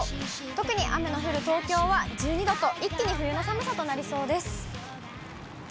特に雨が降る東京は１２度と、一気に冬の寒さとなりそうです。